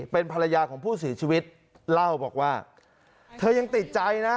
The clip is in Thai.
เป็นภรรยาของผู้เสียชีวิตเล่าบอกว่าเธอยังติดใจนะ